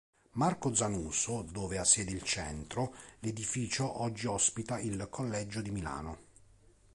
Marco Zanuso, dove ha sede il centro; l'edificio oggi ospita il Collegio di Milano.